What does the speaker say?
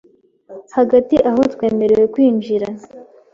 Hagati aho twemerewe kwinjira